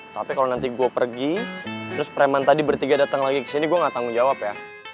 tapi kalau nanti gue pergi terus preman tadi bertiga datang lagi kesini gue gak tanggung jawab ya